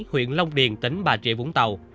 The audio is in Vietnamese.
huyện long điền tỉnh bà rịa vũng tàu